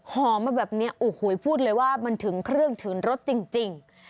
หอมมาแบบนี้โอ้โหพูดเลยว่ามันถึงเครื่องถึงรสจริง